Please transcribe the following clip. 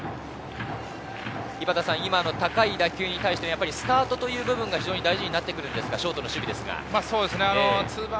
今の高い打球に対してスタートという部分が非常に大事になってくるんですか、ショートの守備ですか。